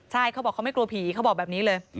ใช่เขาบอกเขาไม่กลัวผีเขาบอกแบบนี้เลย